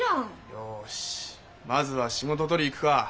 よしまずは仕事取りに行くか！